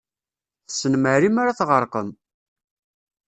Tessnem Ɛli m'ara tɣerqem!